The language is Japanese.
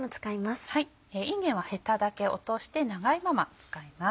いんげんはヘタだけ落として長いまま使います。